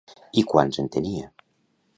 I quants en tenia?